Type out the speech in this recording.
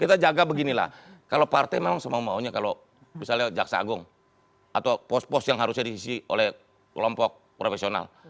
kita jaga beginilah kalau partai memang semau maunya kalau misalnya jaksa agung atau pos pos yang harusnya diisi oleh kelompok profesional